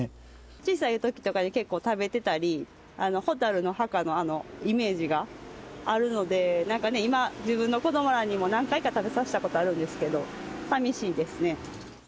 小さいときとかに結構食べてたり、火垂るの墓のあのイメージがあるので、なんかね、今、自分の子どもらにも何回か食べさせたことあるんですけれども、寂しいですね。